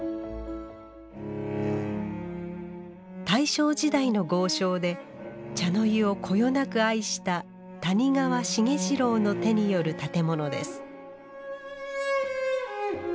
大正時代の豪商で茶の湯をこよなく愛した谷川茂次郎の手による建物です